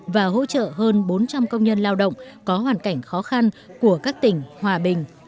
và hỗ trợ hơn bốn trăm linh công nhân lao động có hoàn cảnh khó khăn của các tỉnh hòa bình